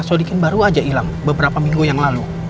sodikin baru aja hilang beberapa minggu yang lalu